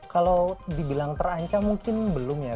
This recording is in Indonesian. kalau dibilang terancam mungkin belum ya